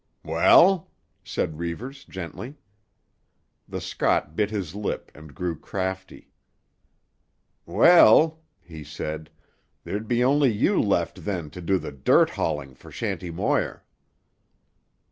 "Well?" said Reivers gently. The Scot bit his lip and grew crafty. "Well," he said, "there'd be only you left then to do the dirt hauling for Shanty Moir."